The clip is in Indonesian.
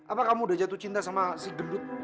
apa kamu udah jatuh cinta sama si gendut